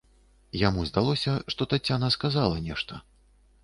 Яму здалося, што Тацяна сказала нешта.